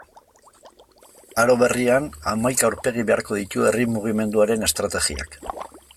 Aro berrian, hamaika aurpegi beharko ditu herri mugimenduaren estrategiak.